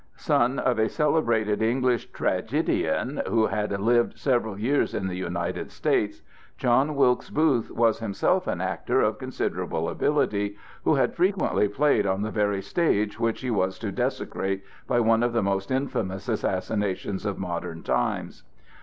Son of a celebrated English tragedian who had lived several years in the United States, John Wilkes Booth was himself an actor of considerable ability, who had frequently played on the very stage which he was to desecrate by one of the most infamous assassinations of modern times.